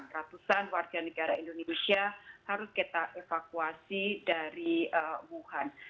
ratusan warga negara indonesia harus kita evakuasi dari wuhan